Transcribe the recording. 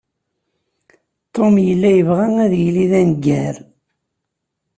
Tom yella yebɣa ad yili d aneggar.